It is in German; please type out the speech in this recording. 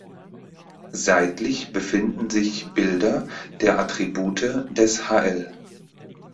Seitlich befinden sich Bilder der Attribute des hl.